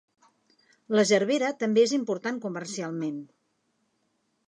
La gerbera també és important comercialment.